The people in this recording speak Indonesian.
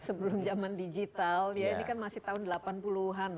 sebelum jaman digital ini kan masih tahun delapan puluh an lah